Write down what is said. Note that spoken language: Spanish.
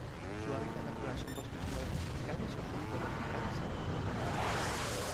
Su hábitat natural son bosques húmedos tropicales o subtropicales a altitud media.